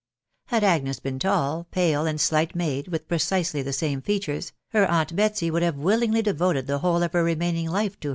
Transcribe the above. r Had Agnes been tall,, pale, and slight made, with precisely the same features, her aunt Betsy would, have willingly devoted the whole of her remaining life to.